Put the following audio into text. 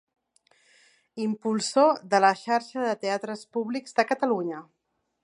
Impulsor de la Xarxa de Teatres Públics de Catalunya.